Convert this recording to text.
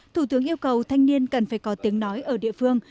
thủ tướng yêu cầu thanh niên cần phải có tiếng nói ở địa phương